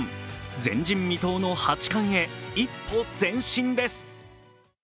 前人未到の八冠へ一歩前進です。